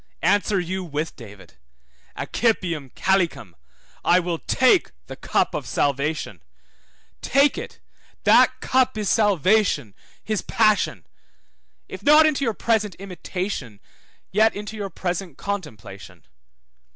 3535 Psalm 116:12. Answer you with David, Accipiam calicem, I will take the cup of salvation; take it, that cup is salvation, his passion, if not into your present imitation, yet into your present contemplation.